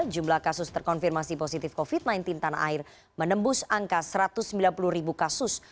jumlah kasus terkonfirmasi positif covid sembilan belas tanah air menembus angka satu ratus sembilan puluh ribu kasus